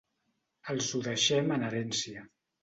Els ho deixem en herència.